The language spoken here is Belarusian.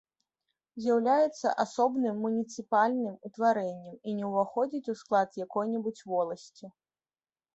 З'яўляецца асобным муніцыпальным утварэннем і не ўваходзіць у склад якой-небудзь воласці.